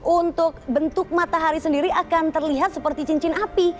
untuk bentuk matahari sendiri akan terlihat seperti cincin api